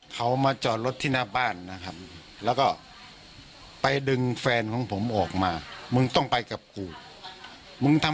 ที่มีอะไรสักอย่างจะไปแทงมันเหมือนกัน